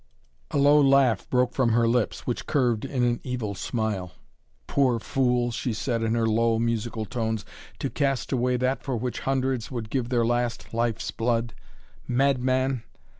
A low laugh broke from her lips, which curved in an evil smile. "Poor fool!" she said in her low, musical tones, "to cast away that for which hundreds would give their last life's blood. Madman!